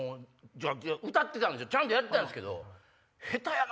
歌ってたんすよちゃんとやってたんすけど。